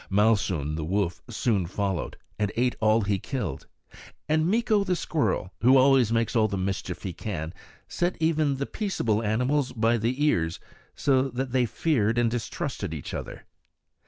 Malsun the wolf soon followed, and ate all he killed; and Meeko the squirrel, who always makes all the mischief he can, set even the peaceable animals by the ears, so that they feared and distrusted each other.